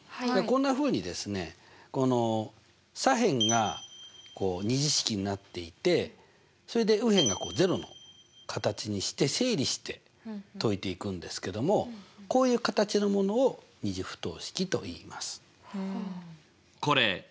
こんなふうにですね左辺が２次式になっていてそれで右辺が０の形にして整理して解いていくんですけどもこういう形のものを２次不等式といいます。